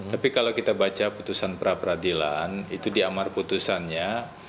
tapi kalau kita baca putusan pra peradilan itu di amar putusannya